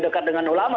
dekat dengan ulama